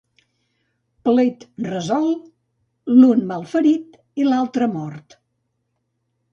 Plet resolt, l'un malferit i l'altre mort.